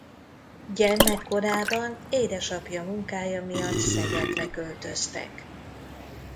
Gyermekkorában édesapja munkája miatt Szegedre költöztek.